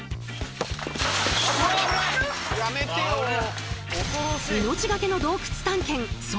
やめてよ。